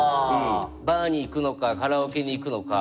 バーに行くのかカラオケに行くのか。